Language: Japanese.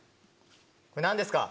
これ何ですか？